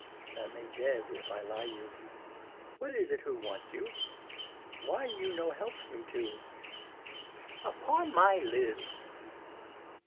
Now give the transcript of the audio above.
That may dead if I lie you. What is it who want you ? Why you no helps me to ? Upon my live.